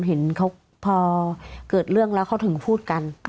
เห็นเขาพอเกิดเรื่องแล้วเขาถึงพูดกัน